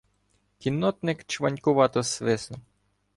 Кіннотник чванькувато свиснув.